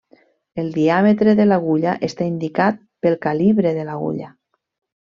El diàmetre de l'agulla està indicat pel calibre de l'agulla.